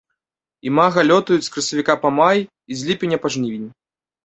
Імага лётаюць з красавіка па май і з ліпеня па жнівень.